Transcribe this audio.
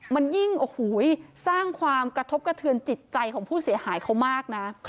มันยิ่งโอ้โหสร้างความกระทบกระเทือนจิตใจของผู้เสียหายเขามากนะ